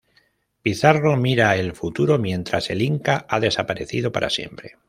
Pizarro mira el futuro, mientras el Inca ha desaparecido para siempre.